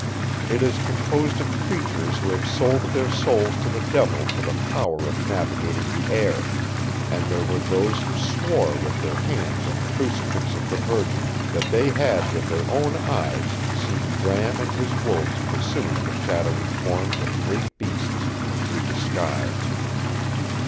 It is composed of creatures who have sold their souls to the devil for the power of navigating the air, and there were those who swore with their hands on the crucifix of the Virgin that they had with their own eyes seen Bram and his wolves pursuing the shadowy forms of great beasts through the skies.